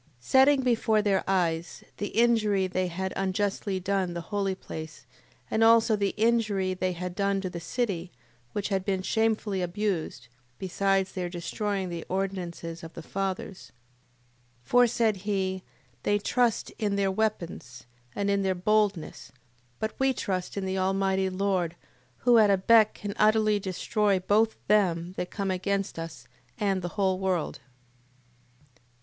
Setting before their eyes the injury they had unjustly done the holy place, and also the injury they had done to the city, which had been shamefully abused, besides their destroying the ordinances of the fathers. 8:18. For, said he, they trust in their weapons, and in their boldness: but we trust in the Almighty Lord, who at a beck can utterly destroy both them that come against us, and the whole world.